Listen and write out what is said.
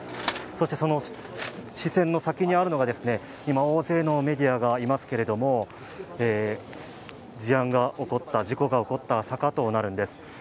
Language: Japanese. そして、視線の先にあるのが今大勢のメディアがいますけれども、事故が起こった坂となるんです。